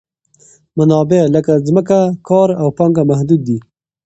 منابع لکه ځمکه، کار او پانګه محدود دي.